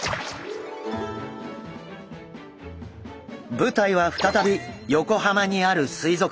舞台は再び横浜にある水族館。